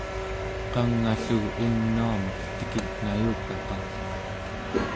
qang'a-llu unuamek tekitnayukaqa